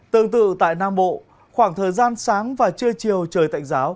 tương tự tại nam bộ khoảng thời gian sáng và trưa chiều trời tạnh giáo